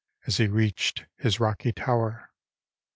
As he reach'd his rocky tower.